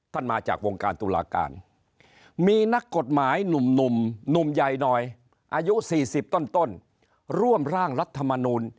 มาจากวงการตุลาการมีนักกฎหมายหนุ่มใหญ่หน่อยอายุ๔๐ต้นร่วมร่างรัฐมนูล